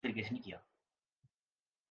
‘ اسے کس نے کھلوایا؟